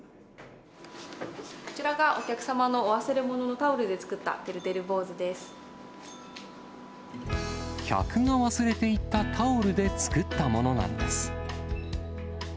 こちらがお客様のお忘れ物の客が忘れていったタオルで作ったものなんです。